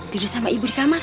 tidur sama ibu di kamar